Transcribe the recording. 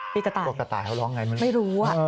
กระต่ายตัวกระต่ายเขาร้องไงไม่รู้